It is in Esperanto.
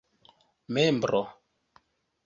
membro